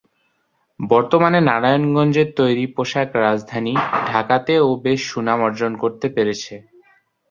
বর্তমানে নারায়ণগঞ্জের তৈরী পোশাক রাজধানী ঢাকাতে ও বেশ সুনাম অর্জন করতে পেরেছে।